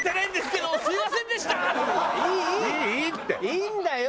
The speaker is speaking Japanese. いいんだよ！